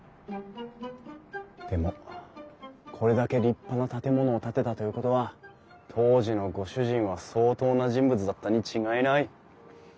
でもこれだけ立派な建物を建てたということは当時のご主人は相当な人物だったに違いない。